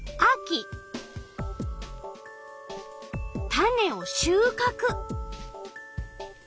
種をしゅうかく。